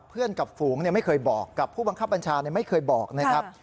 เพื่อนกับฝูงไม่เคยบอกกับผู้บังคับบัญชาไม่เคยบอกนะครับ